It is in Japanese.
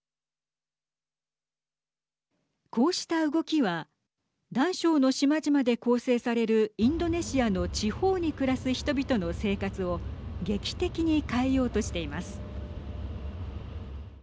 こうした動きは大小の島々で構成されるインドネシアの地方に暮らす人々の生活を劇的に変えようとしています。